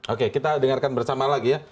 oke kita dengarkan bersama lagi ya